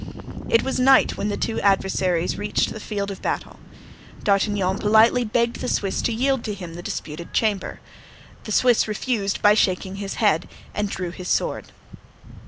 It was night when the two adversaries reached the field of battle. D'Artagnan politely begged the Swiss to yield to him the disputed chamber; the Swiss refused by shaking his head, and drew his sword.